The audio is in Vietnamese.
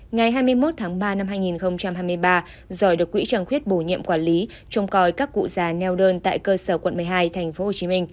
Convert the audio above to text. ngày hai mươi một tháng ba năm hai nghìn hai mươi ba giỏi được quỹ trăng khuyết bổ nhiệm quản lý trông coi các cụ già neo đơn tại cơ sở quận một mươi hai tp hcm